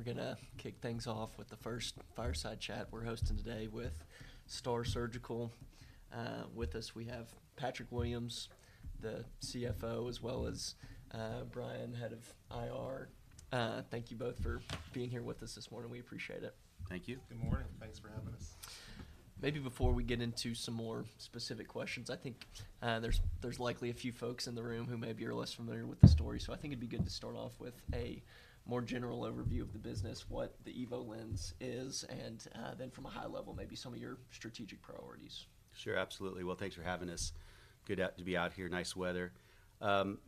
All right. We're gonna kick things off with the first Fireside Chat we're hosting today with STAAR Surgical. With us, we have Patrick Williams, the CFO, as well as Brian, Head of IR. Thank you both for being here with us this morning. We appreciate it. Thank you. Good morning. Thanks for having us. Maybe before we get into some more specific questions, I think, there's likely a few folks in the room who maybe are less familiar with the story. So I think it'd be good to start off with a more general overview of the business, what the EVO lens is, and then from a high level, maybe some of your strategic priorities. Sure. Absolutely. Well, thanks for having us. Good out, to be out here, nice weather.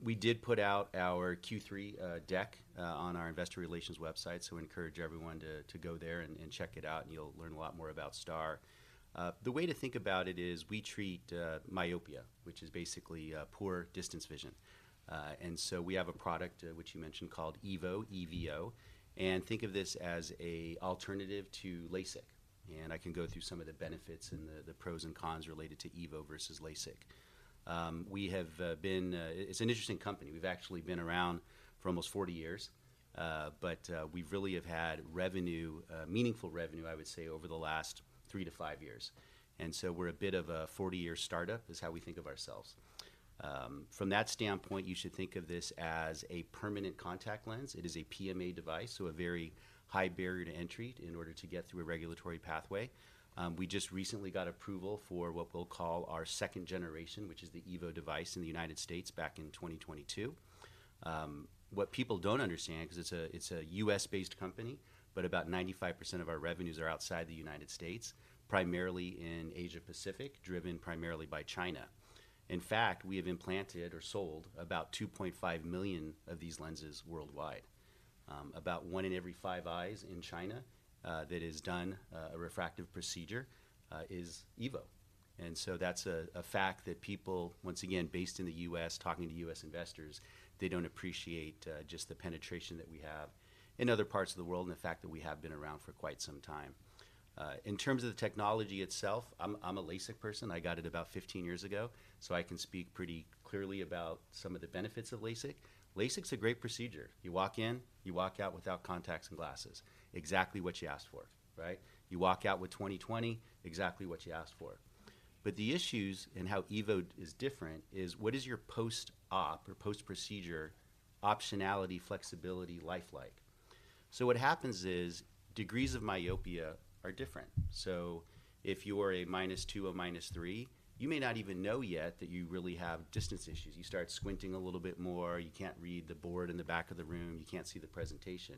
We did put out our Q3 deck on our investor relations website, so encourage everyone to go there and check it out, and you'll learn a lot more about STAAR. The way to think about it is we treat myopia, which is basically poor distance vision. And so we have a product, which you mentioned, called EVO, E-V-O, and think of this as an alternative to LASIK. And I can go through some of the benefits and the pros and cons related to EVO versus LASIK. We have been. It's an interesting company. We've actually been around for almost 40 years, but we really have had revenue, meaningful revenue, I would say, over the last 3-5 years. We're a bit of a 40-year startup, is how we think of ourselves. From that standpoint, you should think of this as a permanent contact lens. It is a PMA device, so a very high barrier to entry in order to get through a regulatory pathway. We just recently got approval for what we'll call our second generation, which is the EVO device in the United States back in 2022. What people don't understand, 'cause it's a U.S.-based company, but about 95% of our revenues are outside the United States, primarily in Asia Pacific, driven primarily by China. In fact, we have implanted or sold about 2.5 million of these lenses worldwide. About one in every five eyes in China that has done a refractive procedure is EVO. That's a fact that people, once again, based in the U.S., talking to U.S. investors, they don't appreciate just the penetration that we have in other parts of the world and the fact that we have been around for quite some time. In terms of the technology itself, I'm a LASIK person. I got it about 15 years ago, so I can speak pretty clearly about some of the benefits of LASIK. LASIK's a great procedure. You walk in, you walk out without contacts and glasses. Exactly what you asked for, right? You walk out with 20/20, exactly what you asked for. But the issues and how EVO is different is what is your post-op or post-procedure optionality, flexibility, life like? What happens is, degrees of myopia are different. So if you are a minus 2 or minus 3, you may not even know yet that you really have distance issues. You start squinting a little bit more, you can't read the board in the back of the room, you can't see the presentation.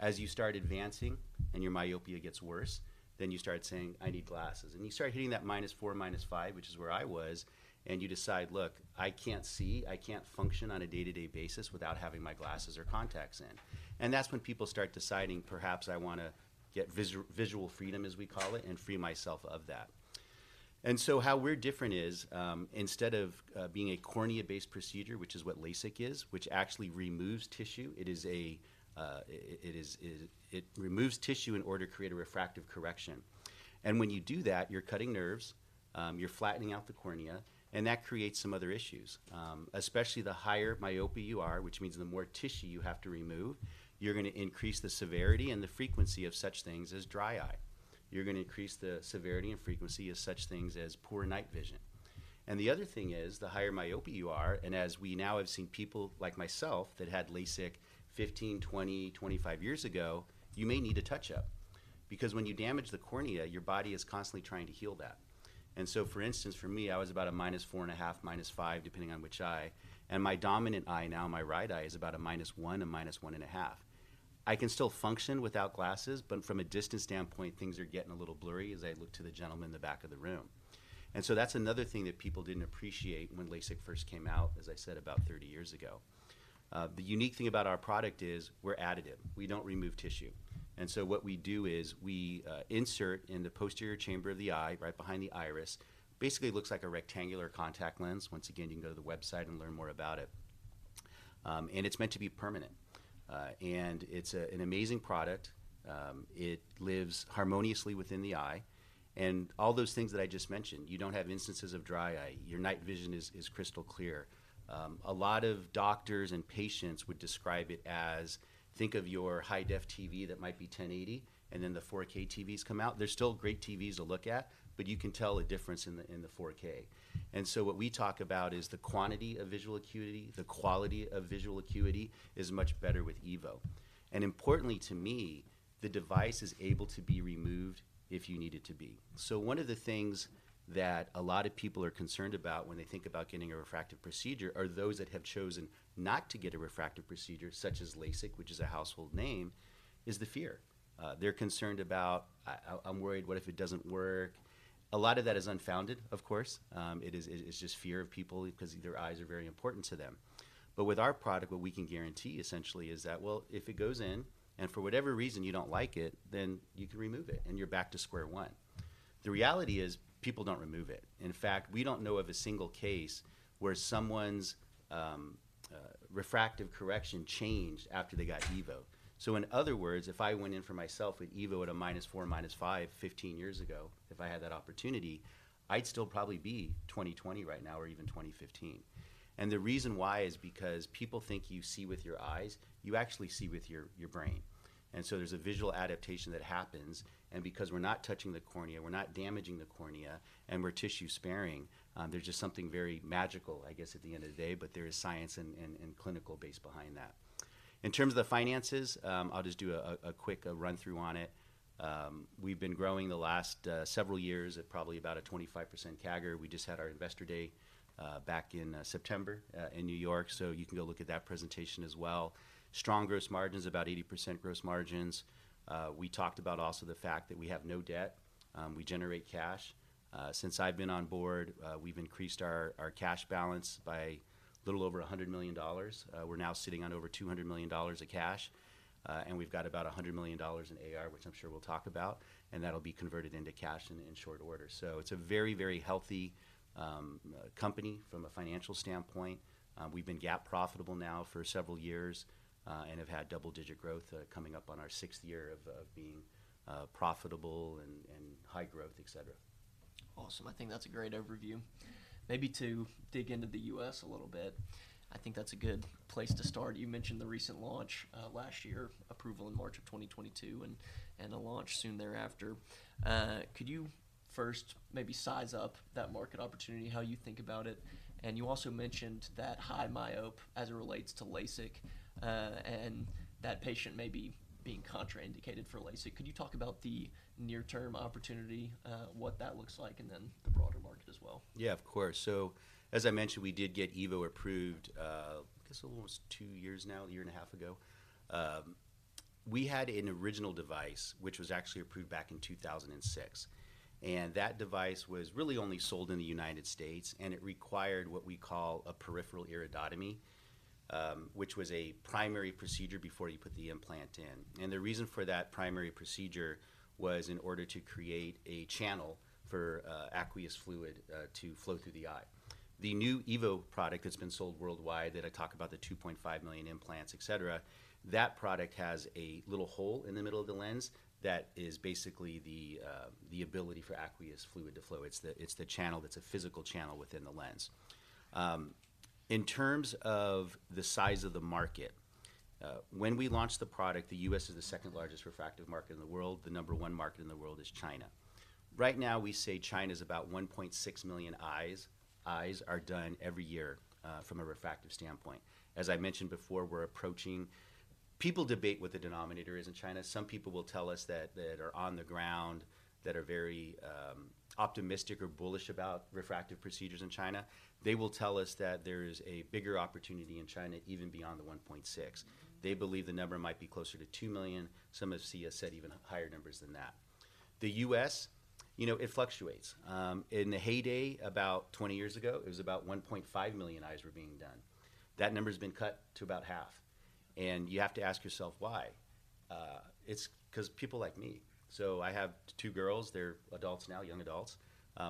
As you start advancing and your myopia gets worse, then you start saying, "I need glasses." And you start hitting that minus 4, minus 5, which is where I was, and you decide: Look, I can't see. I can't function on a day-to-day basis without having my glasses or contacts in. And that's when people start deciding, perhaps I want to get Visual Freedom, as we call it, and free myself of that. And so how we're different is, instead of being a cornea-based procedure, which is what LASIK is, which actually removes tissue, it removes tissue in order to create a refractive correction. And when you do that, you're cutting nerves, you're flattening out the cornea, and that creates some other issues. Especially the higher myopia you are, which means the more tissue you have to remove, you're going to increase the severity and the frequency of such things as dry eye. You're going to increase the severity and frequency of such things as poor night vision. And the other thing is, the higher myopia you are, and as we now have seen, people like myself that had LASIK 15, 20, 25 years ago, you may need a touch-up because when you damage the cornea, your body is constantly trying to heal that. And so, for instance, for me, I was about a -4.5, -5, depending on which eye, and my dominant eye now, my right eye, is about a -1, -1.5. I can still function without glasses, but from a distance standpoint, things are getting a little blurry as I look to the gentleman in the back of the room. And so that's another thing that people didn't appreciate when LASIK first came out, as I said, about 30 years ago. The unique thing about our product is we're additive. We don't remove tissue. And so what we do is we insert in the posterior chamber of the eye, right behind the iris, basically looks like a rectangular contact lens. Once again, you can go to the website and learn more about it. It's meant to be permanent. It's an amazing product. It lives harmoniously within the eye and all those things that I just mentioned. You don't have instances of dry eye. Your night vision is crystal clear. A lot of doctors and patients would describe it as, think of your high-def TV that might be 1080, and then the 4K TVs come out. They're still great TVs to look at, but you can tell a difference in the 4K. So what we talk about is the quantity of visual acuity, the quality of visual acuity is much better with EVO. And importantly to me, the device is able to be removed if you need it to be. So one of the things that a lot of people are concerned about when they think about getting a refractive procedure, or those that have chosen not to get a refractive procedure, such as LASIK, which is a household name, is the fear. They're concerned about, "I, I'm worried, what if it doesn't work?" A lot of that is unfounded, of course. It is, it's just fear of people because their eyes are very important to them. But with our product, what we can guarantee, essentially, is that, well, if it goes in and for whatever reason you don't like it, then you can remove it, and you're back to square one. The reality is, people don't remove it. In fact, we don't know of a single case where someone's refractive correction changed after they got EVO. So in other words, if I went in for myself with EVO at a -4, -5, 15 years ago, if I had that opportunity, I'd still probably be 20/20 right now or even 20/15. And the reason why is because people think you see with your eyes, you actually see with your, your brain. And so there's a visual adaptation that happens, and because we're not touching the cornea, we're not damaging-... cornea and we're tissue sparing, there's just something very magical, I guess, at the end of the day, but there is science and clinical basis behind that. In terms of the finances, I'll just do a quick run-through on it. We've been growing the last several years at probably about a 25% CAGR. We just had our investor day back in September in New York, so you can go look at that presentation as well. Strong gross margins, about 80% gross margins. We talked about also the fact that we have no debt. We generate cash. Since I've been on board, we've increased our cash balance by a little over $100 million. We're now sitting on over $200 million of cash, and we've got about $100 million in AR, which I'm sure we'll talk about, and that'll be converted into cash in short order. So it's a very, very healthy company from a financial standpoint. We've been GAAP profitable now for several years, and have had double-digit growth, coming up on our sixth year of being profitable and high growth, et cetera. Awesome! I think that's a great overview. Maybe to dig into the U.S. a little bit, I think that's a good place to start. You mentioned the recent launch last year, approval in March of 2022, and a launch soon thereafter. Could you first maybe size up that market opportunity, how you think about it? And you also mentioned that high myope as it relates to LASIK, and that patient may be being contraindicated for LASIK. Could you talk about the near-term opportunity, what that looks like, and then the broader market as well? Yeah, of course. So as I mentioned, we did get EVO approved, I guess almost two years now, a year and a half ago. We had an original device, which was actually approved back in 2006, and that device was really only sold in the United States, and it required what we call a peripheral iridotomy, which was a primary procedure before you put the implant in. And the reason for that primary procedure was in order to create a channel for aqueous fluid to flow through the eye. The new EVO product that's been sold worldwide, that I talk about the 2.5 million implants, et cetera, that product has a little hole in the middle of the lens that is basically the ability for aqueous fluid to flow. It's the channel that's a physical channel within the lens. In terms of the size of the market, when we launched the product, the U.S. is the second largest refractive market in the world. The number one market in the world is China. Right now, we say China's about 1.6 million eyes, eyes are done every year, from a refractive standpoint. As I mentioned before, we're approaching... People debate what the denominator is in China. Some people will tell us that are on the ground, that are very optimistic or bullish about refractive procedures in China. They will tell us that there is a bigger opportunity in China, even beyond the 1.6. They believe the number might be closer to 2 million. Some have even said even higher numbers than that. The U.S., you know, it fluctuates. In the heyday, about 20 years ago, it was about 1.5 million eyes were being done. That number's been cut to about half, and you have to ask yourself: why? It's because people like me. So I have 2 girls. They're adults now, young adults.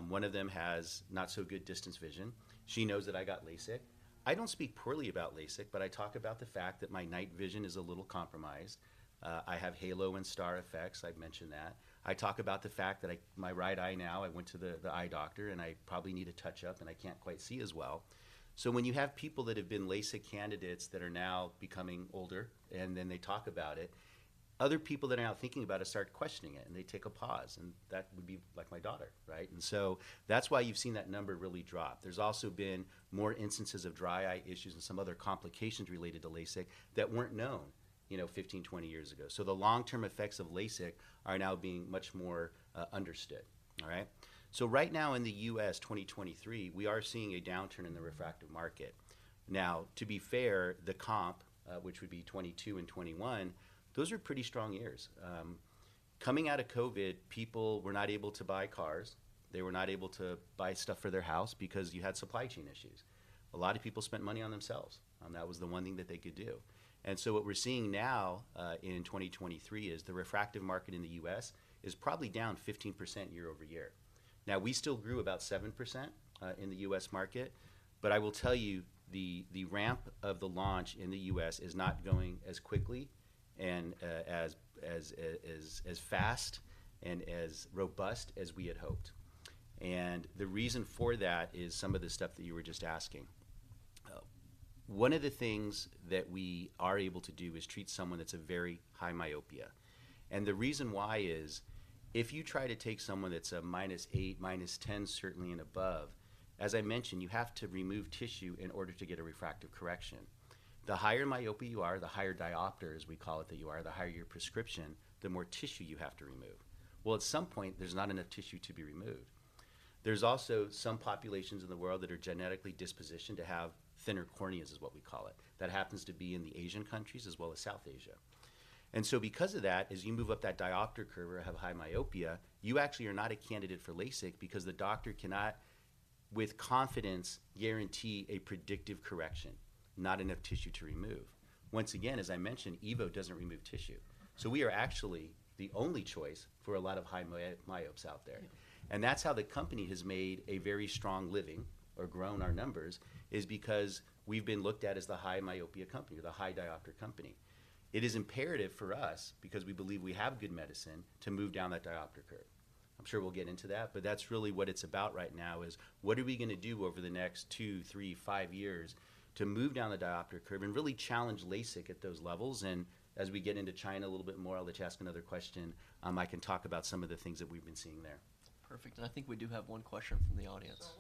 One of them has not-so-good distance vision. She knows that I got LASIK. I don't speak poorly about LASIK, but I talk about the fact that my night vision is a little compromised. I have halo and star effects. I've mentioned that. I talk about the fact that my right eye now, I went to the eye doctor, and I probably need a touch-up, and I can't quite see as well. So when you have people that have been LASIK candidates that are now becoming older, and then they talk about it, other people that are now thinking about it start questioning it, and they take a pause, and that would be like my daughter, right? And so that's why you've seen that number really drop. There's also been more instances of dry eye issues and some other complications related to LASIK that weren't known, you know, 15, 20 years ago. So the long-term effects of LASIK are now being much more understood. All right? So right now, in the U.S., 2023, we are seeing a downturn in the refractive market. Now, to be fair, the comp, which would be 2022 and 2021, those are pretty strong years. Coming out of COVID, people were not able to buy cars. They were not able to buy stuff for their house because you had supply chain issues. A lot of people spent money on themselves, and that was the one thing that they could do. So what we're seeing now in 2023 is the refractive market in the U.S. is probably down 15% year-over-year. Now, we still grew about 7% in the U.S. market, but I will tell you, the ramp of the launch in the U.S. is not going as quickly and as fast and as robust as we had hoped. And the reason for that is some of the stuff that you were just asking. One of the things that we are able to do is treat someone that's a very high myopia. And the reason why is, if you try to take someone that's a -8, -10, certainly, and above, as I mentioned, you have to remove tissue in order to get a refractive correction. The higher myopia you are, the higher diopter, as we call it, that you are, the higher your prescription, the more tissue you have to remove. Well, at some point, there's not enough tissue to be removed. There's also some populations in the world that are genetically predisposed to have thinner corneas, is what we call it. That happens to be in the Asian countries as well as South Asia. And so because of that, as you move up that diopter curve or have high myopia, you actually are not a candidate for LASIK because the doctor cannot, with confidence, guarantee a predictive correction, not enough tissue to remove. Once again, as I mentioned, EVO doesn't remove tissue, so we are actually the only choice for a lot of high myopes out there. Yeah. That's how the company has made a very strong living or grown our numbers, is because we've been looked at as the high myopia company or the high diopter company. It is imperative for us, because we believe we have good medicine, to move down that diopter curve. I'm sure we'll get into that, but that's really what it's about right now, is what are we gonna do over the next two, three, five years to move down the diopter curve and really challenge LASIK at those levels? And as we get into China a little bit more, I'll let you ask another question. I can talk about some of the things that we've been seeing there. Perfect. I think we do have one question from the audience.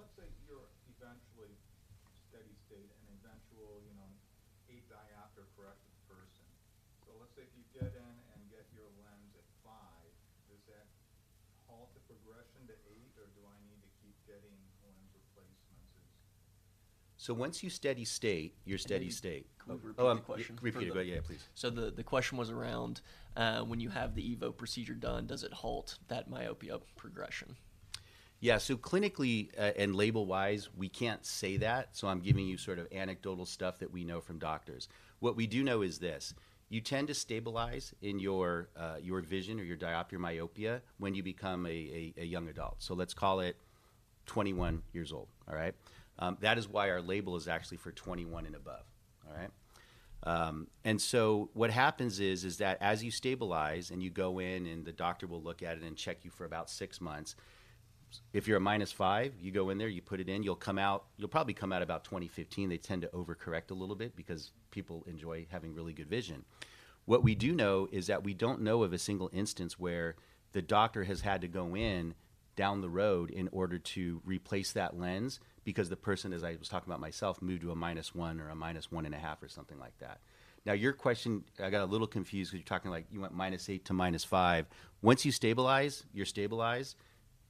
So let's say you're steady state and eventual, you know, 8-diopter corrected person. So let's say if you get in and get your lens at 5, does that halt the progression to 8, or do I need to keep getting lens replacements as- Once you steady state, you're steady state. Can you repeat the question? Repeat it. Yeah, please. The question was around, when you have the EVO procedure done, does it halt that myopia progression? Yeah. So clinically, and label-wise, we can't say that, so I'm giving you sort of anecdotal stuff that we know from doctors. What we do know is this: you tend to stabilize in your your vision or your diopter myopia when you become a young adult. So let's call it 21 years old. All right? That is why our label is actually for 21 and above. All right? And so what happens is that as you stabilize and you go in, and the doctor will look at it and check you for about 6 months, if you're a -5, you go in there, you put it in, you'll come out. You'll probably come out about 20/15. They tend to overcorrect a little bit because people enjoy having really good vision. What we do know is that we don't know of a single instance where the doctor has had to go in down the road in order to replace that lens because the person, as I was talking about myself, moved to a -1 or a -1.5 or something like that. Now, your question, I got a little confused because you're talking like you went -8 to -5. Once you stabilize, you're stabilized,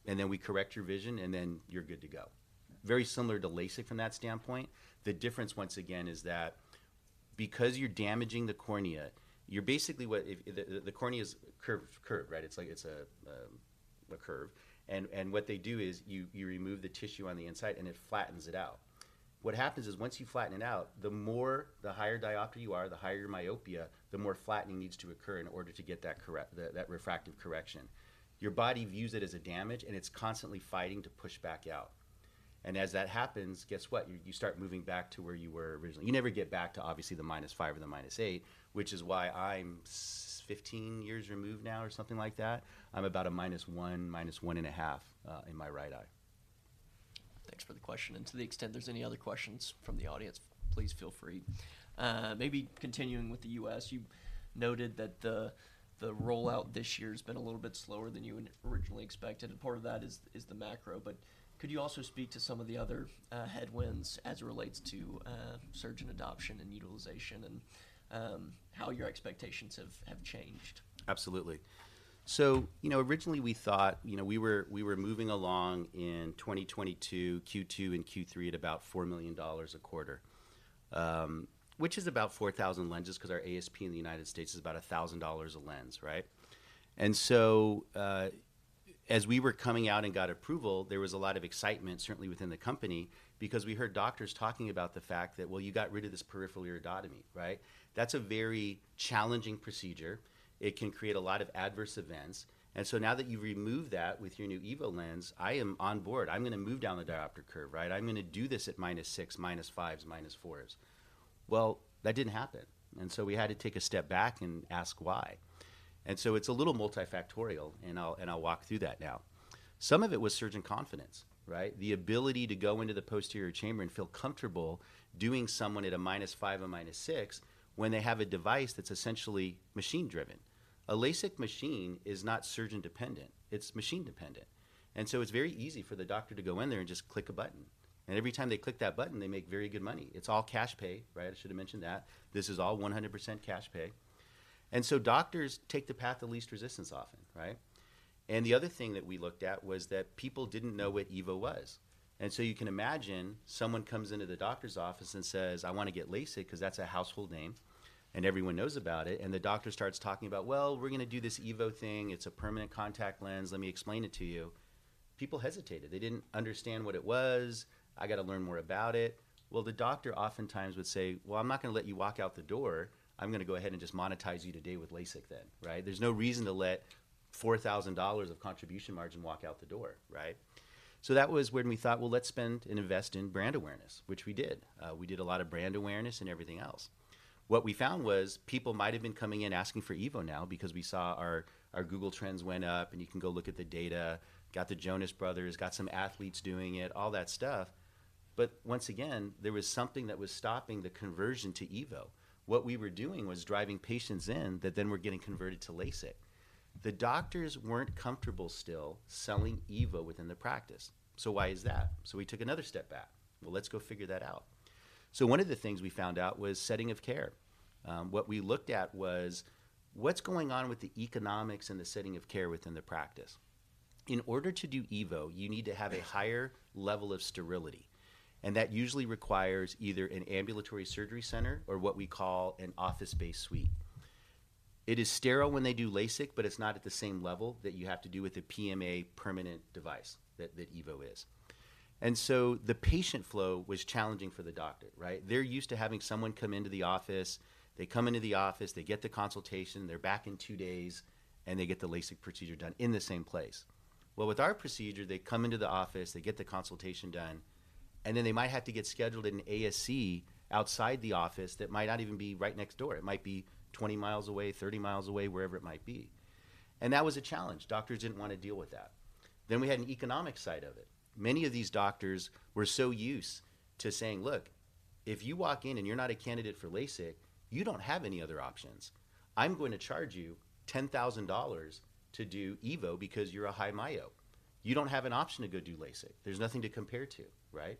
and then we correct your vision, and then you're good to go. Very similar to LASIK from that standpoint. The difference, once again, is that because you're damaging the cornea, you're basically what... If the cornea's curved, right? It's like it's a curve. And what they do is you remove the tissue on the inside, and it flattens it out. What happens is, once you flatten it out, the more, the higher diopter you are, the higher your myopia, the more flattening needs to occur in order to get that correct, that refractive correction. Your body views it as a damage, and it's constantly fighting to push back out. As that happens, guess what? You start moving back to where you were originally. You never get back to, obviously, the -5 or the -8, which is why I'm 15 years removed now or something like that. I'm about a -1, -1.5 in my right eye. Thanks for the question. To the extent there's any other questions from the audience, please feel free. Maybe continuing with the U.S., you noted that the rollout this year has been a little bit slower than you had originally expected, and part of that is the macro. But could you also speak to some of the other headwinds as it relates to surgeon adoption and utilization and how your expectations have changed? Absolutely. So, you know, originally we thought, you know, we were moving along in 2022, Q2 and Q3, at about $4 million a quarter, which is about 4,000 lenses, because our ASP in the United States is about $1,000 a lens, right? And so, as we were coming out and got approval, there was a lot of excitement, certainly within the company, because we heard doctors talking about the fact that, "Well, you got rid of this peripheral iridotomy," right? "That's a very challenging procedure. It can create a lot of adverse events. And so now that you've removed that with your new EVO lens, I am on board. I'm going to move down the diopter curve, right? I'm going to do this at minus 6, minus 5s, minus 4s." Well, that didn't happen, and so we had to take a step back and ask why. So it's a little multifactorial, and I'll walk through that now. Some of it was surgeon confidence, right? The ability to go into the posterior chamber and feel comfortable doing someone at a minus 5 or minus 6 when they have a device that's essentially machine driven. A LASIK machine is not surgeon dependent; it's machine dependent. And so it's very easy for the doctor to go in there and just click a button, and every time they click that button, they make very good money. It's all cash pay, right? I should have mentioned that. This is all 100% cash pay. And so doctors take the path of least resistance often, right? The other thing that we looked at was that people didn't know what EVO was. And so you can imagine someone comes into the doctor's office and says, "I want to get LASIK," because that's a household name, and everyone knows about it, and the doctor starts talking about, "Well, we're going to do this EVO thing. It's a permanent contact lens. Let me explain it to you." People hesitated. They didn't understand what it was. "I got to learn more about it." Well, the doctor oftentimes would say, "Well, I'm not going to let you walk out the door. I'm going to go ahead and just monetize you today with LASIK then," right? There's no reason to let $4,000 of contribution margin walk out the door, right? So that was when we thought, "Well, let's spend and invest in brand awareness," which we did. We did a lot of brand awareness and everything else. What we found was people might have been coming in asking for EVO now because we saw our, our Google Trends went up, and you can go look at the data, got the Jonas Brothers, got some athletes doing it, all that stuff, but once again, there was something that was stopping the conversion to EVO. What we were doing was driving patients in that then were getting converted to LASIK. The doctors weren't comfortable still selling EVO within the practice. So why is that? So we took another step back. Well, let's go figure that out. So one of the things we found out was setting of care. What we looked at was: What's going on with the economics and the setting of care within the practice? In order to do EVO, you need to have a higher level of sterility, and that usually requires either an ambulatory surgery center or what we call an office-based suite. It is sterile when they do LASIK, but it's not at the same level that you have to do with a PMA permanent device that EVO is. And so the patient flow was challenging for the doctor, right? They're used to having someone come into the office. They come into the office, they get the consultation, they're back in two days, and they get the LASIK procedure done in the same place. Well, with our procedure, they come into the office, they get the consultation done, and then they might have to get scheduled in an ASC outside the office that might not even be right next door. It might be 20 miles away, 30 miles away, wherever it might be. That was a challenge. Doctors didn't want to deal with that. We had an economic side of it. Many of these doctors were so used to saying: "Look, if you walk in and you're not a candidate for LASIK, you don't have any other options. I'm going to charge you $10,000 to do EVO because you're a high myope."... you don't have an option to go do LASIK. There's nothing to compare to, right?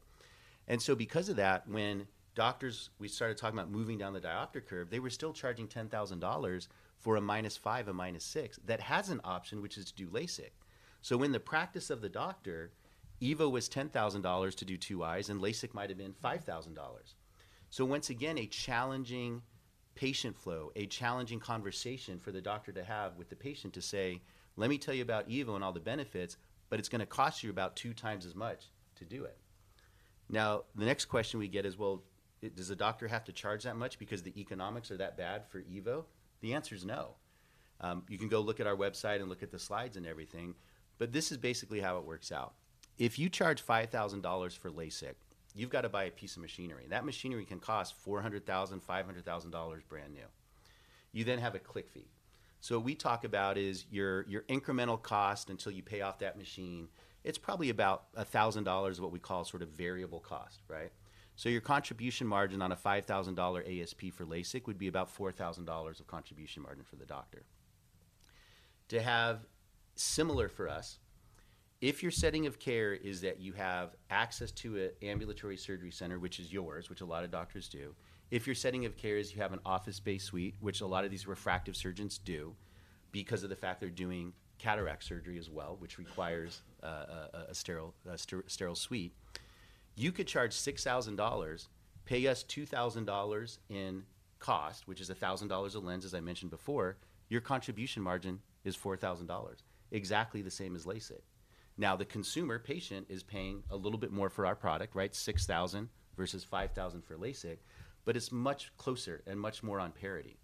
And so because of that, when doctors- we started talking about moving down the diopter curve, they were still charging $10,000 for a -5, a -6, that has an option, which is to do LASIK. So in the practice of the doctor, EVO was $10,000 to do two eyes, and LASIK might have been $5,000. So once again, a challenging patient flow, a challenging conversation for the doctor to have with the patient to say: "Let me tell you about EVO and all the benefits, but it's going to cost you about two times as much to do it." Now, the next question we get is, well, does the doctor have to charge that much because the economics are that bad for EVO? The answer is no. You can go look at our website and look at the slides and everything, but this is basically how it works out. If you charge $5,000 for LASIK, you've got to buy a piece of machinery, and that machinery can cost $400,000, $500,000 brand new. You then have a click fee. So what we talk about is your incremental cost until you pay off that machine. It's probably about $1,000, what we call sort of variable cost, right? So your contribution margin on a $5,000 ASP for LASIK would be about $4,000 of contribution margin for the doctor. To have similar for us, if your setting of care is that you have access to an ambulatory surgery center, which is yours, which a lot of doctors do, if your setting of care is you have an office-based suite, which a lot of these refractive surgeons do, because of the fact they're doing cataract surgery as well, which requires a sterile suite, you could charge $6,000, pay us $2,000 in cost, which is $1,000 a lens, as I mentioned before, your contribution margin is $4,000, exactly the same as LASIK. Now, the consumer patient is paying a little bit more for our product, right? $6,000 versus $5,000 for LASIK, but it's much closer and much more on parity.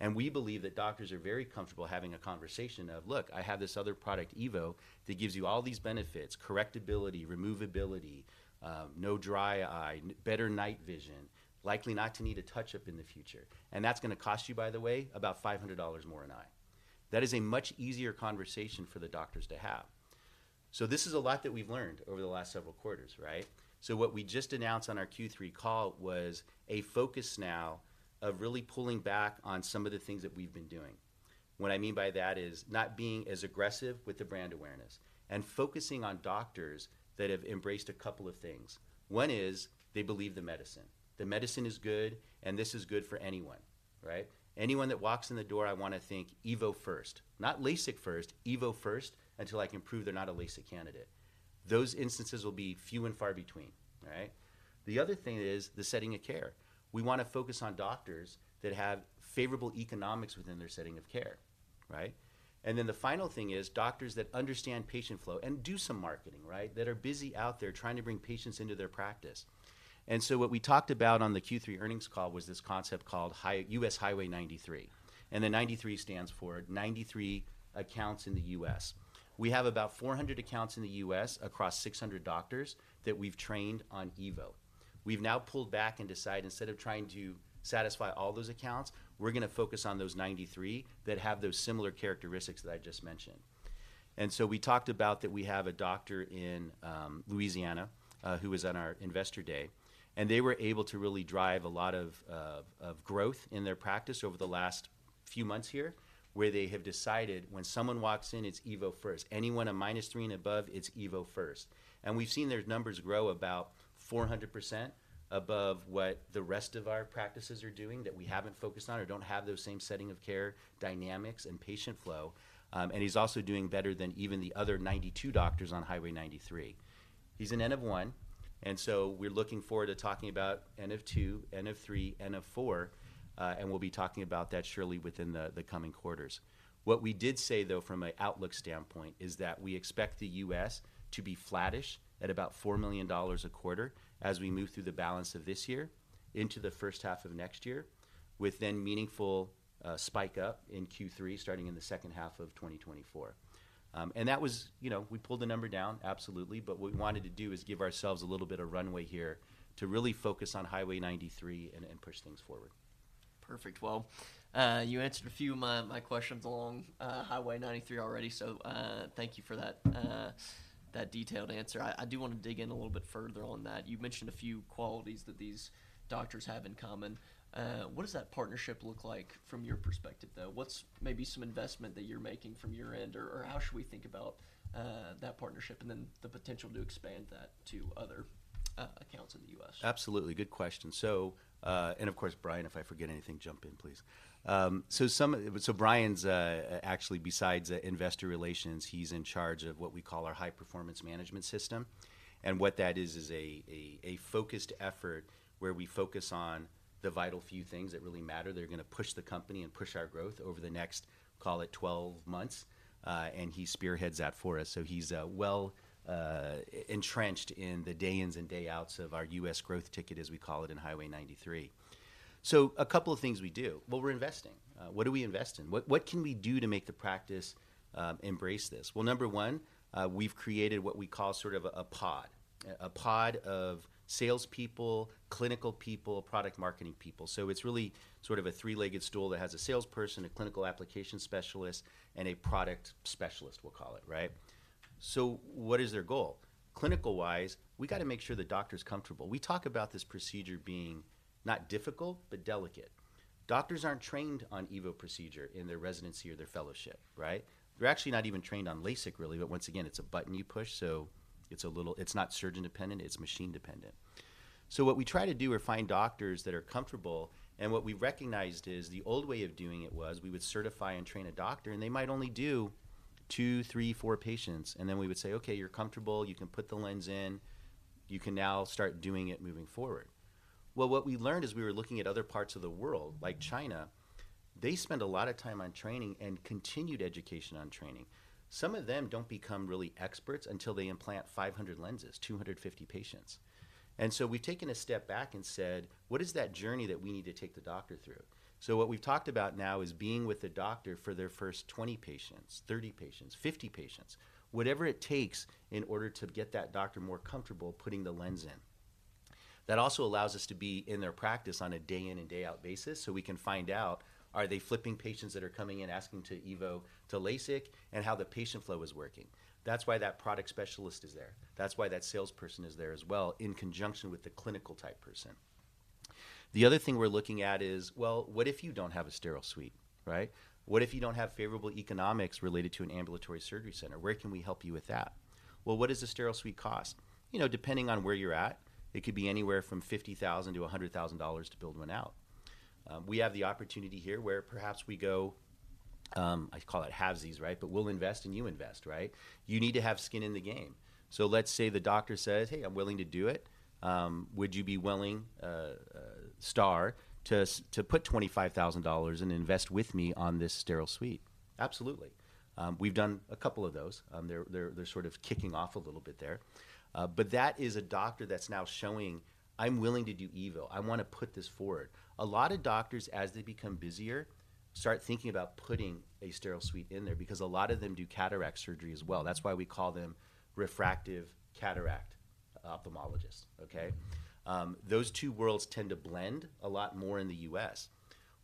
And we believe that doctors are very comfortable having a conversation of, "Look, I have this other product, EVO, that gives you all these benefits: correctability, removability, no dry eye, better night vision, likely not to need a touch-up in the future. And that's going to cost you, by the way, about $500 more an eye." That is a much easier conversation for the doctors to have. So this is a lot that we've learned over the last several quarters, right? So what we just announced on our Q3 call was a focus now of really pulling back on some of the things that we've been doing. What I mean by that is not being as aggressive with the brand awareness and focusing on doctors that have embraced a couple of things. One is, they believe the medicine. The medicine is good, and this is good for anyone, right? Anyone that walks in the door, I want to think EVO first, not LASIK first, EVO first, until I can prove they're not a LASIK candidate. Those instances will be few and far between, right? The other thing is the setting of care. We want to focus on doctors that have favorable economics within their setting of care, right? And then the final thing is doctors that understand patient flow and do some marketing, right? That are busy out there trying to bring patients into their practice. And so what we talked about on the Q3 earnings call was this concept called U.S. Highway 93, and the 93 stands for 93 accounts in the U.S. We have about 400 accounts in the U.S. across 600 doctors that we've trained on EVO. We've now pulled back and decided, instead of trying to satisfy all those accounts, we're going to focus on those 93 that have those similar characteristics that I just mentioned. And so we talked about that we have a doctor in Louisiana who was on our investor day, and they were able to really drive a lot of growth in their practice over the last few months here, where they have decided when someone walks in, it's EVO first. Anyone a -3 and above, it's EVO first. And we've seen their numbers grow about 400% above what the rest of our practices are doing that we haven't focused on or don't have those same setting of care, dynamics, and patient flow. And he's also doing better than even the other 92 doctors on Highway 93. He's an N of one, and so we're looking forward to talking about N of two, N of three, N of four, and we'll be talking about that surely within the coming quarters. What we did say, though, from an outlook standpoint, is that we expect the U.S. to be flattish at about $4 million a quarter as we move through the balance of this year into the first half of next year, with then meaningful spike up in Q3, starting in the second half of 2024. And that was, you know, we pulled the number down, absolutely, but what we wanted to do is give ourselves a little bit of runway here to really focus on Highway 93 and push things forward. Perfect. Well, you answered a few of my questions along Highway 93 already, so thank you for that detailed answer. I do want to dig in a little bit further on that. You've mentioned a few qualities that these doctors have in common. What does that partnership look like from your perspective, though? What's maybe some investment that you're making from your end, or how should we think about that partnership and then the potential to expand that to other accounts in the U.S.? Absolutely. Good question. And of course, Brian, if I forget anything, jump in, please. So Brian's actually, besides investor relations, he's in charge of what we call our High Performance Management System. And what that is, is a focused effort where we focus on the vital few things that really matter, that are going to push the company and push our growth over the next, call it, 12 months. And he spearheads that for us. So he's well entrenched in the day-ins and day-outs of our U.S. growth ticket, as we call it, in Highway 93. So a couple of things we do. Well, we're investing. What do we invest in? What can we do to make the practice embrace this? Well, number one, we've created what we call sort of a pod, a pod of salespeople, clinical people, product marketing people. So it's really sort of a three-legged stool that has a salesperson, a clinical application specialist, and a product specialist, we'll call it, right? So what is their goal? Clinical-wise, we've got to make sure the doctor is comfortable. We talk about this procedure being not difficult, but delicate.... Doctors aren't trained on EVO procedure in their residency or their fellowship, right? They're actually not even trained on LASIK, really, but once again, it's a button you push, so it's a little-- it's not surgeon-dependent, it's machine-dependent. So what we try to do is find doctors that are comfortable, and what we've recognized is the old way of doing it was we would certify and train a doctor, and they might only do 2, 3, 4 patients, and then we would say, "Okay, you're comfortable. You can put the lens in. You can now start doing it moving forward." Well, what we learned is we were looking at other parts of the world, like China. They spend a lot of time on training and continued education on training. Some of them don't become really experts until they implant 500 lenses, 250 patients. And so we've taken a step back and said, "What is that journey that we need to take the doctor through?" So what we've talked about now is being with the doctor for their first 20 patients, 30 patients, 50 patients, whatever it takes in order to get that doctor more comfortable putting the lens in. That also allows us to be in their practice on a day in and day out basis, so we can find out, are they flipping patients that are coming in asking to EVO to LASIK and how the patient flow is working? That's why that product specialist is there. That's why that salesperson is there as well, in conjunction with the clinical-type person. The other thing we're looking at is, well, what if you don't have a sterile suite, right? What if you don't have favorable economics related to an ambulatory surgery center? Where can we help you with that? Well, what does a sterile suite cost? You know, depending on where you're at, it could be anywhere from $50,000-$100,000 to build one out. We have the opportunity here where perhaps we go, I call it halvesies, right? But we'll invest, and you invest, right? You need to have skin in the game. So let's say the doctor says, "Hey, I'm willing to do it. Would you be willing, STAAR, to put $25,000 and invest with me on this sterile suite?" Absolutely. We've done a couple of those. They're sort of kicking off a little bit there. But that is a doctor that's now showing, "I'm willing to do EVO. I want to put this forward." A lot of doctors, as they become busier, start thinking about putting a sterile suite in there because a lot of them do cataract surgery as well. That's why we call them refractive cataract ophthalmologists, okay? Those two worlds tend to blend a lot more in the U.S.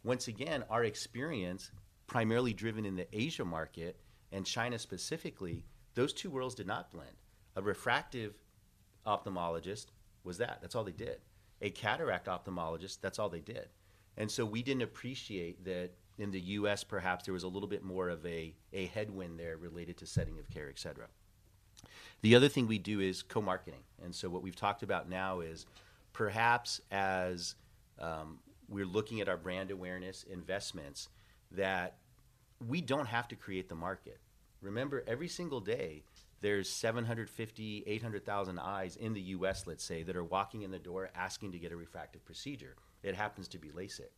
Once again, our experience, primarily driven in the Asia market and China specifically, those two worlds did not blend. A refractive ophthalmologist was that. That's all they did. A cataract ophthalmologist, that's all they did. And so we didn't appreciate that in the U.S., perhaps there was a little bit more of a, a headwind there related to setting of care, et cetera. The other thing we do is co-marketing, and so what we've talked about now is perhaps as we're looking at our brand awareness investments, that we don't have to create the market. Remember, every single day, there's 750-800 thousand eyes in the U.S., let's say, that are walking in the door asking to get a refractive procedure. It happens to be LASIK.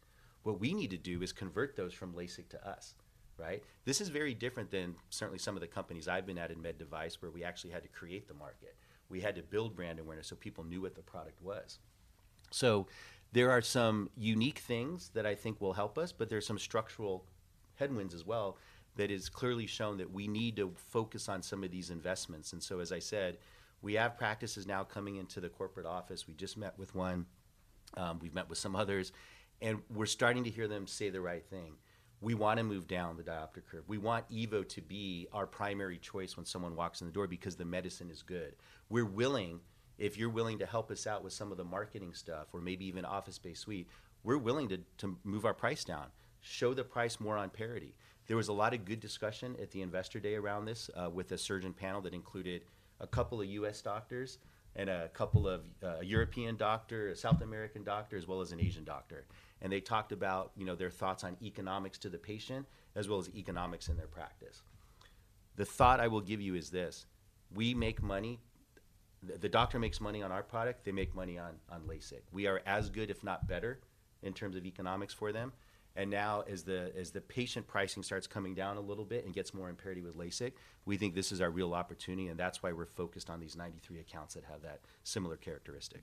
What we need to do is convert those from LASIK to us, right? This is very different than certainly some of the companies I've been at in med device, where we actually had to create the market. We had to build brand awareness so people knew what the product was. So there are some unique things that I think will help us, but there are some structural headwinds as well that is clearly shown that we need to focus on some of these investments. And so, as I said, we have practices now coming into the corporate office. We just met with one. We've met with some others, and we're starting to hear them say the right thing: "We want to move down the diopter curve. We want EVO to be our primary choice when someone walks in the door because the medicine is good. We're willing. If you're willing to help us out with some of the marketing stuff or maybe even office-based suite, we're willing to move our price down, show the price more on parity." There was a lot of good discussion at the investor day around this with a surgeon panel that included a couple of U.S. doctors and a couple of a European doctor, a South American doctor, as well as an Asian doctor. And they talked about, you know, their thoughts on economics to the patient, as well as economics in their practice. The thought I will give you is this: we make money. The doctor makes money on our product. They make money on LASIK. We are as good, if not better, in terms of economics for them. And now, as the patient pricing starts coming down a little bit and gets more in parity with LASIK, we think this is our real opportunity, and that's why we're focused on these 93 accounts that have that similar characteristic.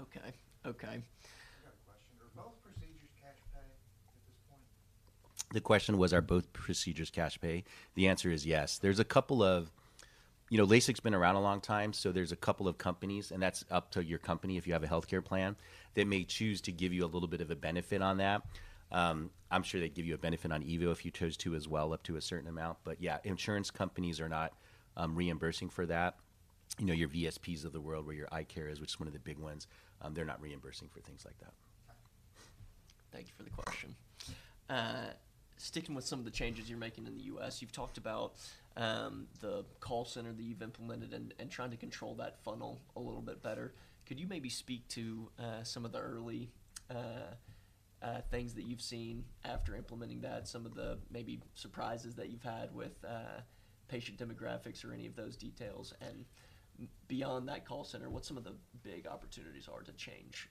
Okay. Okay. I got a question. Are both procedures cash pay at this point? The question was, are both procedures cash pay? The answer is yes. There's a couple of... You know, LASIK's been around a long time, so there's a couple of companies, and that's up to your company if you have a healthcare plan. They may choose to give you a little bit of a benefit on that. I'm sure they'd give you a benefit on EVO if you chose to as well, up to a certain amount. But yeah, insurance companies are not reimbursing for that. You know, your VSPs of the world, or your EyeMed is, which is one of the big ones, they're not reimbursing for things like that. Thank you for the question. Sticking with some of the changes you're making in the US, you've talked about the call center that you've implemented and trying to control that funnel a little bit better. Could you maybe speak to some of the early things that you've seen after implementing that, some of the maybe surprises that you've had with patient demographics or any of those details? Beyond that call center, what some of the big opportunities are to change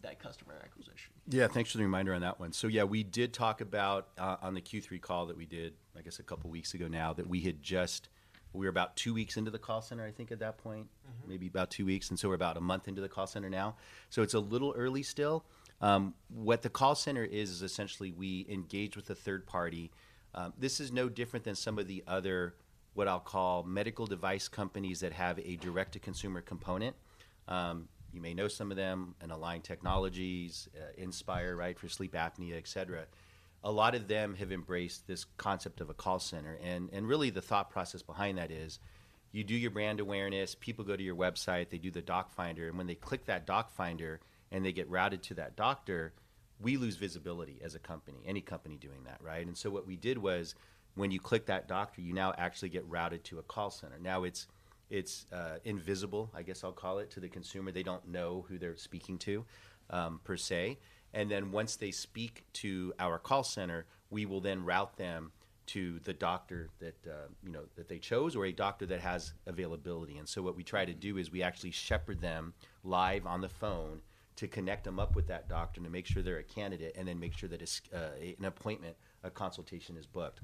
that customer acquisition? Yeah, thanks for the reminder on that one. So yeah, we did talk about on the Q3 call that we did, I guess, a couple of weeks ago now, that we had just... We were about two weeks into the call center, I think, at that point. Mm-hmm. Maybe about two weeks, and so we're about a month into the call center now, so it's a little early still. What the call center is, is essentially we engage with a third party. This is no different than some of the other, what I'll call medical device companies that have a direct-to-consumer component. You may know some of them, an Align Technology, Inspire, right, for sleep apnea, et cetera. A lot of them have embraced this concept of a call center, and really the thought process behind that is: you do your brand awareness, people go to your website, they do the doc finder, and when they click that doc finder and they get routed to that doctor, we lose visibility as a company. Any company doing that, right? What we did was, when you click that doctor, you now actually get routed to a call center. Now, it's invisible, I guess I'll call it, to the consumer. They don't know who they're speaking to, per se. And then once they speak to our call center, we will then route them to the doctor that, you know, that they chose or a doctor that has availability. And so what we try to do is we actually shepherd them live on the phone to connect them up with that doctor and to make sure they're a candidate, and then make sure that an appointment, a consultation is booked.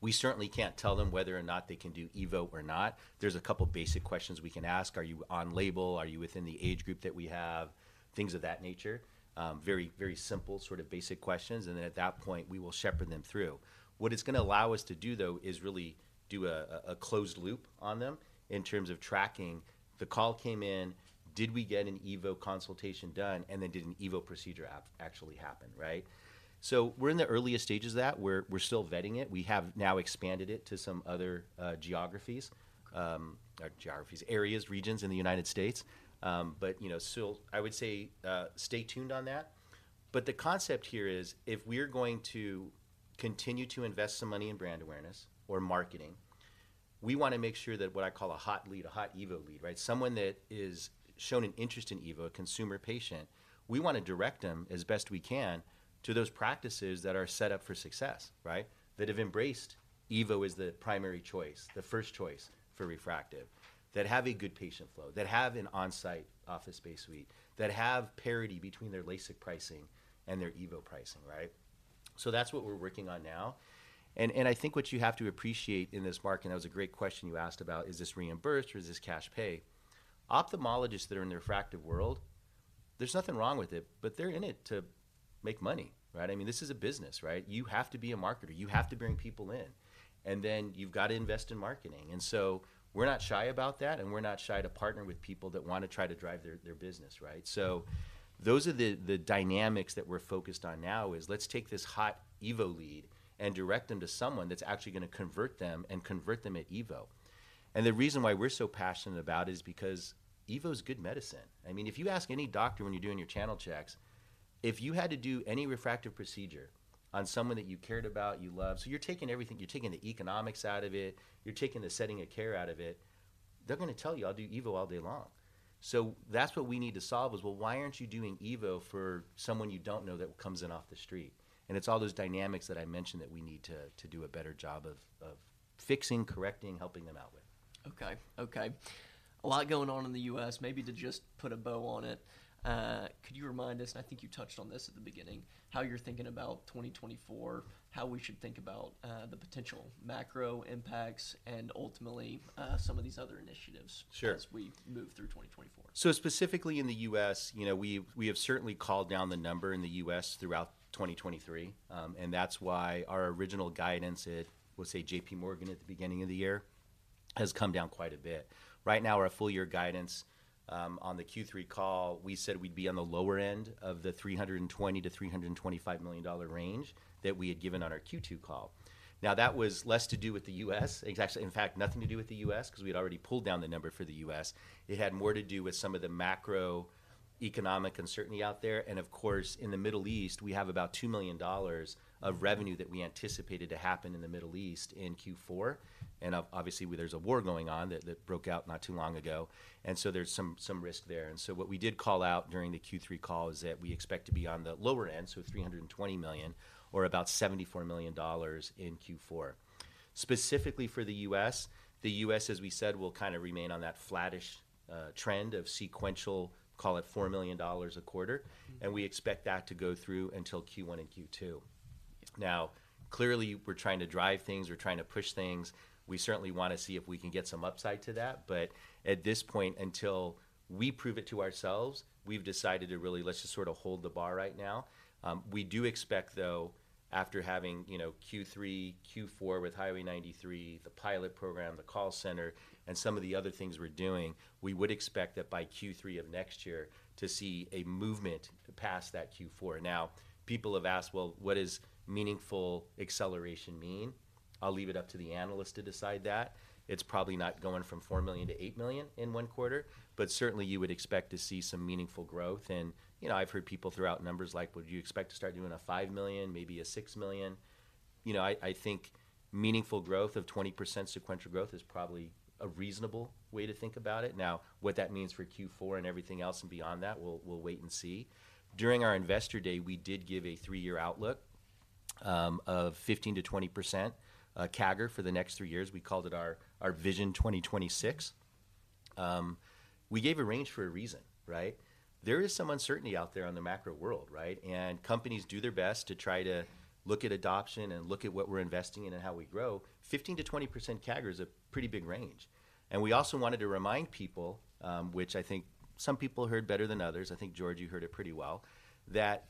We certainly can't tell them whether or not they can do EVO or not. There's a couple basic questions we can ask: Are you on label? Are you within the age group that we have? Things of that nature. Very, very simple, sort of basic questions, and then at that point, we will shepherd them through. What it's gonna allow us to do, though, is really do a closed loop on them in terms of tracking. The call came in, did we get an EVO consultation done, and then did an EVO procedure actually happen, right? So we're in the earliest stages of that, we're still vetting it. We have now expanded it to some other geographies, areas, regions in the United States. But, you know, still, I would say, stay tuned on that. The concept here is, if we're going to continue to invest some money in brand awareness or marketing, we wanna make sure that what I call a hot lead, a hot EVO lead, right? Someone that has shown an interest in EVO, a consumer patient, we want to direct them as best we can to those practices that are set up for success, right? That have embraced EVO as the primary choice, the first choice for refractive, that have a good patient flow, that have an on-site office-based suite, that have parity between their LASIK pricing and their EVO pricing, right? So that's what we're working on now, and I think what you have to appreciate in this market, that was a great question you asked about, is this reimbursed or is this cash pay? Ophthalmologists that are in the refractive world, there's nothing wrong with it, but they're in it to make money, right? I mean, this is a business, right? You have to be a marketer. You have to bring people in, and then you've got to invest in marketing. And so we're not shy about that, and we're not shy to partner with people that want to try to drive their business, right? So those are the dynamics that we're focused on now, is let's take this hot EVO lead and direct them to someone that's actually going to convert them and convert them at EVO. And the reason why we're so passionate about it is because EVO is good medicine. I mean, if you ask any doctor when you're doing your channel checks, if you had to do any refractive procedure on someone that you cared about, you love, so you're taking everything, you're taking the economics out of it, you're taking the setting of care out of it, they're going to tell you, "I'll do EVO all day long." So that's what we need to solve, is, well, why aren't you doing EVO for someone you don't know that comes in off the street? And it's all those dynamics that I mentioned that we need to do a better job of fixing, correcting, helping them out with. Okay. Okay. A lot going on in the U.S. Maybe to just put a bow on it, could you remind us, and I think you touched on this at the beginning, how you're thinking about 2024, how we should think about, the potential macro impacts and ultimately, some of these other initiatives? Sure... as we move through 2024. So specifically in the U.S., you know, we have certainly dialed down the number in the U.S. throughout 2023. And that's why our original guidance at, let's say, JP Morgan at the beginning of the year, has come down quite a bit. Right now, our full year guidance, on the Q3 call, we said we'd be on the lower end of the $320-$325 million range that we had given on our Q2 call. Now, that was less to do with the U.S., exactly, in fact, nothing to do with the U.S., because we'd already pulled down the number for the U.S. It had more to do with some of the macroeconomic uncertainty out there. And of course, in the Middle East, we have about $2 million of revenue that we anticipated to happen in the Middle East in Q4. Obviously, there's a war going on that broke out not too long ago, and so there's some risk there. So what we did call out during the Q3 call is that we expect to be on the lower end, so $320 million, or about $74 million in Q4. Specifically for the U.S., the U.S., as we said, will kind of remain on that flattish trend of sequential, call it $4 million a quarter, and we expect that to go through until Q1 and Q2. Now, clearly, we're trying to drive things, we're trying to push things. We certainly want to see if we can get some upside to that. But at this point, until we prove it to ourselves, we've decided to really let's just sort of hold the bar right now. We do expect, though, after having, you know, Q3, Q4 with Highway 93, the pilot program, the call center, and some of the other things we're doing, we would expect that by Q3 of next year to see a movement past that Q4. Now, people have asked, "Well, what does meaningful acceleration mean?" I'll leave it up to the analysts to decide that. It's probably not going from $4 million to $8 million in one quarter, but certainly you would expect to see some meaningful growth. And, you know, I've heard people throw out numbers like, well, do you expect to start doing a $5 million, maybe a $6 million? You know, I think meaningful growth of 20% sequential growth is probably a reasonable way to think about it. Now, what that means for Q4 and everything else and beyond that, we'll wait and see. During our investor day, we did give a three-year outlook of 15%-20% CAGR for the next three years. We called it our, our Vision 2026. We gave a range for a reason, right? There is some uncertainty out there on the macro world, right? Companies do their best to try to look at adoption and look at what we're investing in and how we grow. 15%-20% CAGR is a pretty big range. And we also wanted to remind people, which I think some people heard better than others, I think, George, you heard it pretty well, that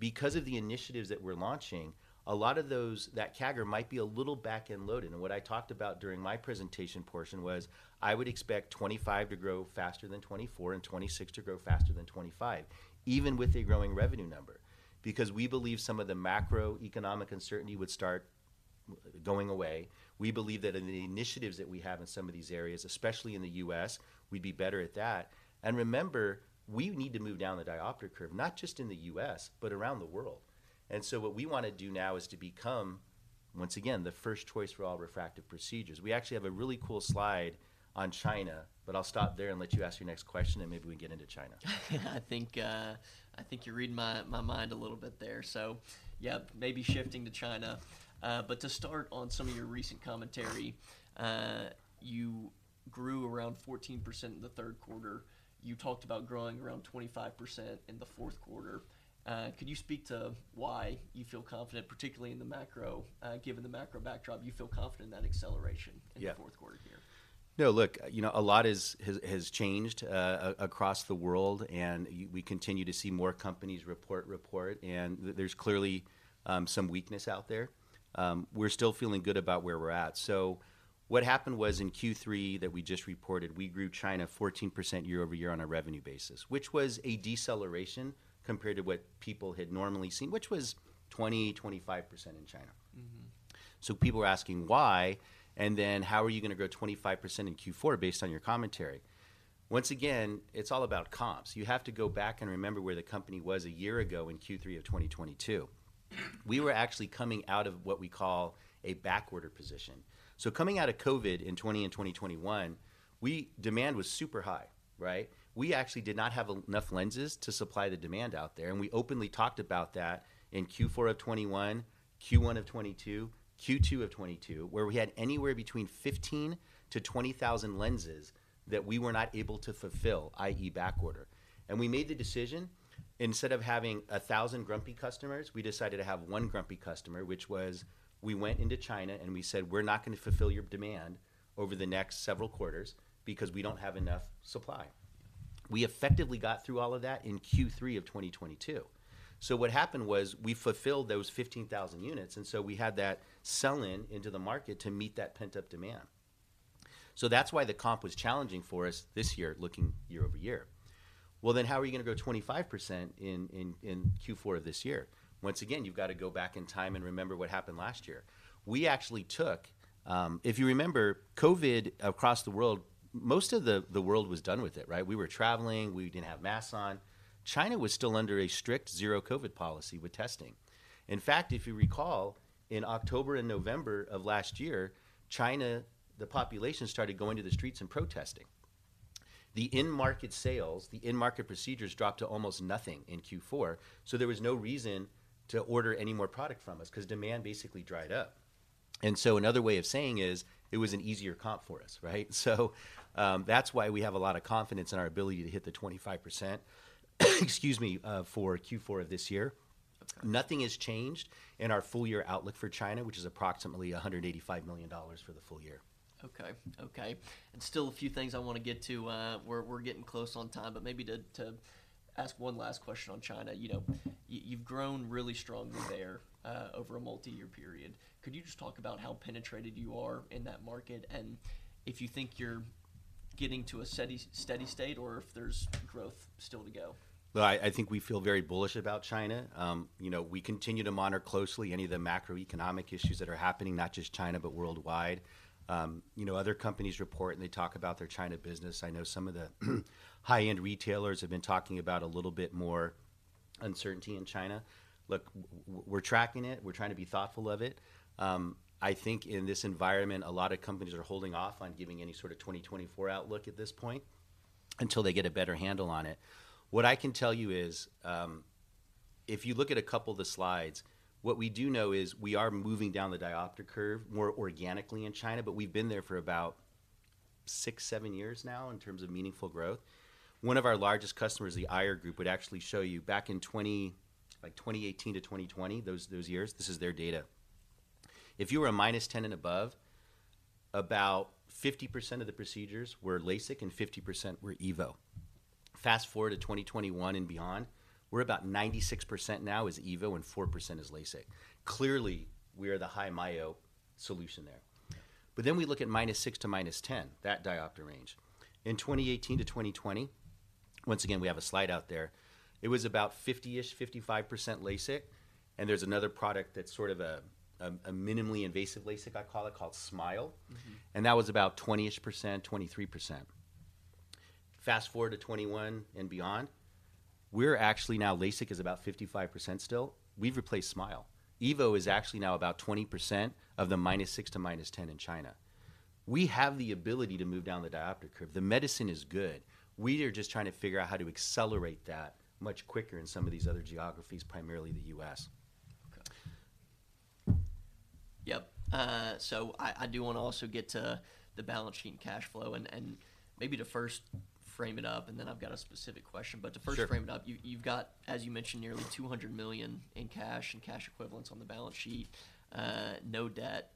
because of the initiatives that we're launching, a lot of that CAGR might be a little back-end loaded. What I talked about during my presentation portion was, I would expect 2025 to grow faster than 2024 and 2026 to grow faster than 2025, even with a growing revenue number, because we believe some of the macroeconomic uncertainty would start going away. We believe that in the initiatives that we have in some of these areas, especially in the U.S., we'd be better at that. And remember, we need to move down the diopter curve, not just in the U.S., but around the world. And so what we wanna do now is to become, once again, the first choice for all refractive procedures. We actually have a really cool slide on China, but I'll stop there and let you ask your next question, and maybe we can get into China. I think, I think you're reading my, my mind a little bit there. Yep, maybe shifting to China. But to start on some of your recent commentary, you grew around 14% in the third quarter. You talked about growing around 25% in the fourth quarter. Can you speak to why you feel confident, particularly in the macro, given the macro backdrop, you feel confident in that acceleration- Yeah - in the fourth quarter here? No, look, you know, a lot has changed across the world, and we continue to see more companies report, and there's clearly some weakness out there. We're still feeling good about where we're at. So what happened was in Q3 that we just reported, we grew China 14% year-over-year on a revenue basis, which was a deceleration compared to what people had normally seen, which was 20-25% in China. Mm-hmm. So people are asking why, and then how are you gonna grow 25% in Q4 based on your commentary? Once again, it's all about comps. You have to go back and remember where the company was a year ago in Q3 of 2022. We were actually coming out of what we call a backorder position. So coming out of COVID in 2020 and 2021, we, demand was super high, right? We actually did not have enough lenses to supply the demand out there, and we openly talked about that in Q4 of 2021, Q1 of 2022, Q2 of 2022, where we had anywhere between 15,000-20,000 lenses that we were not able to fulfill, i.e., backorder. And we made the decision, instead of having 1,000 grumpy customers, we decided to have one grumpy customer, which was, we went into China, and we said: "We're not going to fulfill your demand over the next several quarters because we don't have enough supply." We effectively got through all of that in Q3 of 2022. So what happened was, we fulfilled those 15,000 units, and so we had that sell-in into the market to meet that pent-up demand. So that's why the comp was challenging for us this year, looking year-over-year. Well, then how are you gonna grow 25% in Q4 of this year? Once again, you've got to go back in time and remember what happened last year. We actually took... if you remember, COVID across the world, most of the world was done with it, right? We were traveling. We didn't have masks on. China was still under a strict zero-COVID policy with testing. In fact, if you recall, in October and November of last year, China, the population started going to the streets and protesting. The in-market sales, the in-market procedures, dropped to almost nothing in Q4, so there was no reason to order any more product from us, because demand basically dried up. And so another way of saying is, it was an easier comp for us, right? So, that's why we have a lot of confidence in our ability to hit the 25%, excuse me, for Q4 of this year. That's fine. Nothing has changed in our full year outlook for China, which is approximately $185 million for the full year. Okay. Okay, and still a few things I wanna get to, we're getting close on time, but maybe to ask one last question on China, you know, you've grown really strongly there over a multi-year period. Could you just talk about how penetrated you are in that market, and if you think you're getting to a steady state, or if there's growth still to go? Well, I think we feel very bullish about China. You know, we continue to monitor closely any of the macroeconomic issues that are happening, not just China, but worldwide. You know, other companies report, and they talk about their China business. I know some of the high-end retailers have been talking about a little bit more uncertainty in China. Look, we're tracking it. We're trying to be thoughtful of it. I think in this environment, a lot of companies are holding off on giving any sort of 2024 outlook at this point, until they get a better handle on it. What I can tell you is, if you look at a couple of the slides, what we do know is we are moving down the diopter curve more organically in China, but we've been there for about six, seven years now, in terms of meaningful growth. One of our largest customers, the Aier Group, would actually show you back in 2018, like, 2018 to 2020, those years, this is their data. If you were a -10 and above, about 50% of the procedures were LASIK, and 50% were EVO. Fast-forward to 2021 and beyond, we're about 96% now is EVO and 4% is LASIK. Clearly, we are the high myopia solution there. But then we look at -6 to -10, that diopter range. In 2018 to 2020, once again, we have a slide out there, it was about 50-ish, 55% LASIK, and there's another product that's sort of a, a minimally invasive LASIK, I call it, called SMILE. Mm-hmm. That was about 20-ish percent, 23%. Fast-forward to 2021 and beyond, we're actually now LASIK is about 55% still. We've replaced SMILE. EVO is actually now about 20% of the -6 to -10 in China. We have the ability to move down the diopter curve. The medicine is good. We are just trying to figure out how to accelerate that much quicker in some of these other geographies, primarily the U.S. Okay. Yep, so I do want to also get to the balance sheet and cash flow, and maybe to first frame it up, and then I've got a specific question. Sure. But to first frame it up, you've got, as you mentioned, nearly $200 million in cash and cash equivalents on the balance sheet, no debt.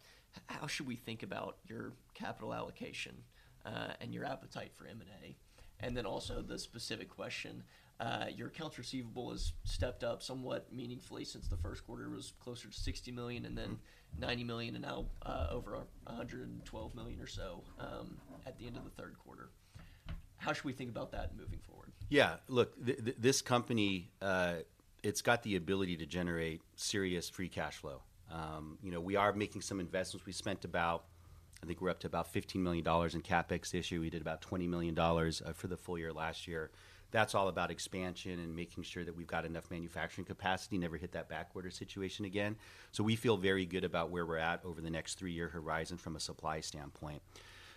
How should we think about your capital allocation, and your appetite for M&A? And then also, the specific question, your accounts receivable has stepped up somewhat meaningfully since the first quarter. It was closer to $60 million, and then $90 million, and now, over $112 million or so, at the end of the third quarter.... how should we think about that moving forward? Yeah, look, this company, it's got the ability to generate serious free cash flow. You know, we are making some investments. We spent about, I think we're up to about $15 million in CapEx this year. We did about $20 million for the full year last year. That's all about expansion and making sure that we've got enough manufacturing capacity, never hit that backorder situation again. So we feel very good about where we're at over the next three-year horizon from a supply standpoint.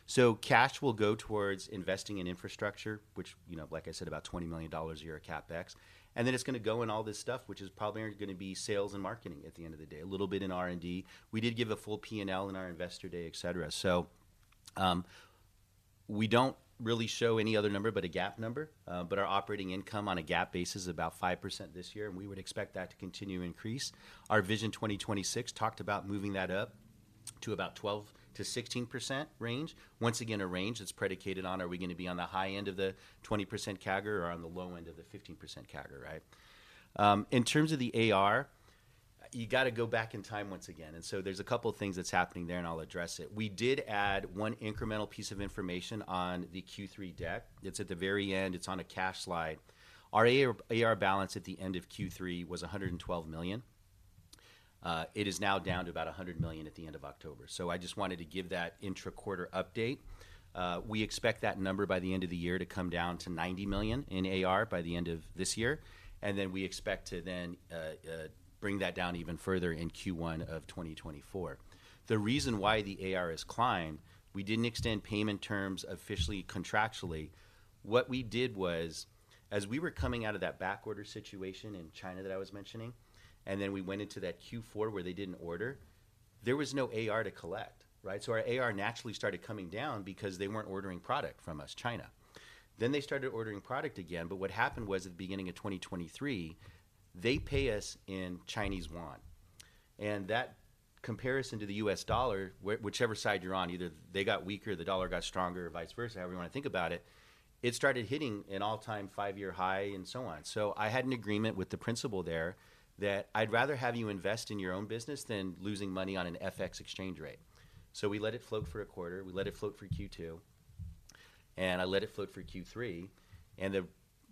So cash will go towards investing in infrastructure, which, you know, like I said, about $20 million a year of CapEx, and then it's gonna go in all this stuff, which is probably only gonna be sales and marketing at the end of the day, a little bit in R&D. We did give a full P&L in our Investor Day, et cetera. So, we don't really show any other number but a GAAP number, but our operating income on a GAAP basis is about 5% this year, and we would expect that to continue to increase. Our Vision 2026 talked about moving that up to about 12%-16% range. Once again, a range that's predicated on, are we gonna be on the high end of the 20% CAGR or on the low end of the 15% CAGR, right? In terms of the AR, you gotta go back in time once again, and so there's a couple of things that's happening there, and I'll address it. We did add one incremental piece of information on the Q3 deck. It's at the very end, it's on a cash slide. Our AR balance at the end of Q3 was $112 million. It is now down to about $100 million at the end of October. So I just wanted to give that intra-quarter update. We expect that number by the end of the year to come down to $90 million in AR by the end of this year, and then we expect to then bring that down even further in Q1 of 2024. The reason why the AR has climbed, we didn't extend payment terms officially, contractually. What we did was, as we were coming out of that backorder situation in China that I was mentioning, and then we went into that Q4 where they didn't order, there was no AR to collect, right? So our AR naturally started coming down because they weren't ordering product from us, China. Then they started ordering product again, but what happened was, at the beginning of 2023, they pay us in Chinese yuan, and that comparison to the U.S. dollar, whichever side you're on, either they got weaker, the dollar got stronger, or vice versa, however you wanna think about it, it started hitting an all-time five-year high and so on. So I had an agreement with the principal there that I'd rather have you invest in your own business than losing money on an FX exchange rate. So we let it float for a quarter, we let it float for Q2, and I let it float for Q3, and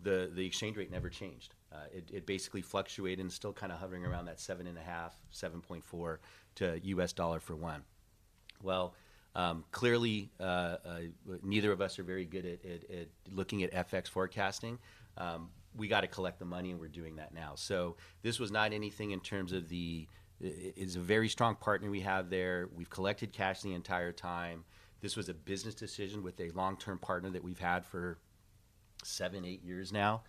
the exchange rate never changed. It basically fluctuated and still kinda hovering around that 7.5, 7.4 to U.S. dollar for one. Well, clearly, neither of us are very good at looking at FX forecasting. We gotta collect the money, and we're doing that now. So this was not anything in terms of the... it's a very strong partner we have there. We've collected cash the entire time. This was a business decision with a long-term partner that we've had for seven, eight years now,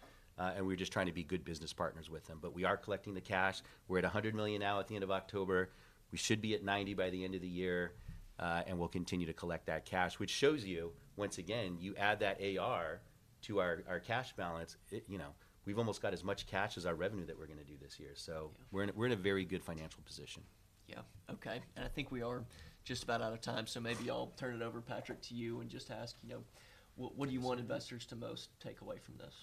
and we're just trying to be good business partners with them. But we are collecting the cash. We're at $100 million now at the end of October. We should be at 90 by the end of the year, and we'll continue to collect that cash, which shows you, once again, you add that AR to our, our cash balance, it, you know, we've almost got as much cash as our revenue that we're gonna do this year. So- Yeah. We're in a very good financial position. Yeah. Okay, and I think we are just about out of time, so maybe I'll turn it over, Patrick, to you, and just ask, you know, what do you want investors to most take away from this?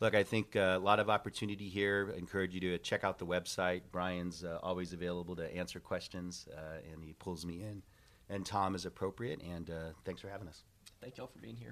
Look, I think, a lot of opportunity here. Encourage you to check out the website. Brian's, always available to answer questions, and he pulls me in, and Tom, as appropriate, and, thanks for having us. Thank you all for being here.